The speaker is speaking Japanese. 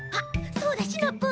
そうだシナプー！